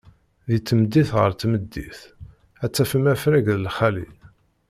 Deg tmeddit ɣer tmeddit, ad tafem afrag d lxali.